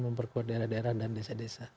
memperkuat daerah daerah dan desa desa